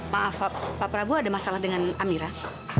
pak prabowo ada masalah dengan amirah